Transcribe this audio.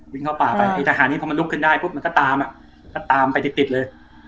เข้าป่าไปไอ้ทหารนี้พอมันลุกขึ้นได้ปุ๊บมันก็ตามอ่ะก็ตามไปติดติดเลย